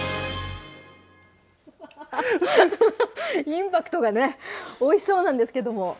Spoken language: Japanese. インパクトがね、おいしそうなんですけども。